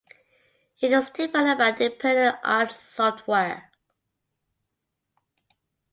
It was developed by Independent Arts Software.